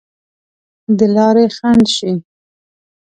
د لارې خنډ شي.